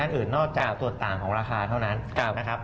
ไม่ได้อันผลตอบแท้ทาง